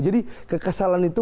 jadi kekesalan itu